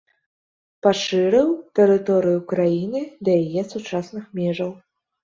Пашырыў тэрыторыю краіны да яе сучасных межаў.